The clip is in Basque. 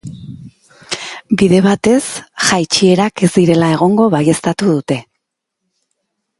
Bide batez, jaitsierak ez direla egongo baieztatu dute.